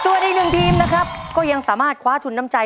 ส่วนอีกหนึ่งทีมนะครับก็ยังสามารถคว้าทุนน้ำใจ